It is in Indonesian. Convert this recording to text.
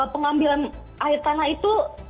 pengambilan air tanah itu